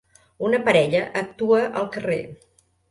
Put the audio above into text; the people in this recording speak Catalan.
Una parella actua al carrer.